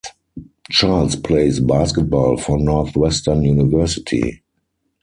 Charles plays basketball for Northwestern University.